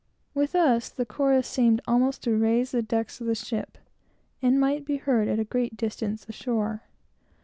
With us, the chorus seemed almost to raise the decks of the ship, and might be heard at a great distance, ashore.